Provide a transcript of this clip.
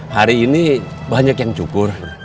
hari ini banyak yang cukur